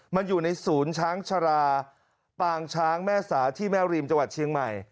มันอยู่ในศูนย์ช้างชาราปางช้างแม่สาที่แม่ริมจังหวัดเชียงใหม่